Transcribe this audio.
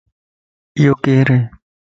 ايو ڪيرائي؟